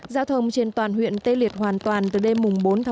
giao thông trên toàn huyện tê liệt hoàn toàn từ đêm bốn một mươi một